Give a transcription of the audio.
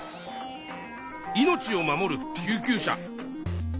命を守る救急車。